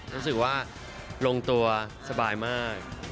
รู้สึกว่าลงตัวสบายมาก